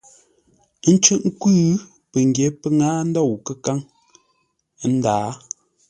Ə́ ncʉ́ʼ nkwʉ́. Pəngyě pə́ ŋâa ndôu kə́káŋ, ə́ ndǎa.